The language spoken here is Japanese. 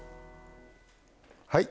はい。